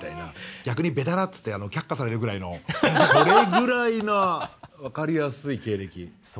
逆に、ベタだといって却下されるぐらい、それぐらい分かりやすい経歴。